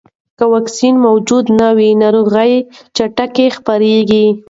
که واکسین موجود نه وي، ناروغي چټکه خپرېږي.